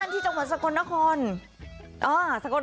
ที่จังหวัดสกลนคร